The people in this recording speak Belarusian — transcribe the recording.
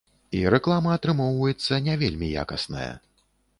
І рэклама атрымоўваецца не вельмі якасная.